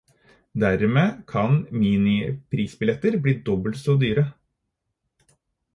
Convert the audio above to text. Dermed kan miniprisbilletter blir dobbelt så dyre.